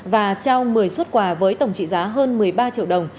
và trao một mươi xuất quà với tổng trị giá hơn một mươi ba triệu đồng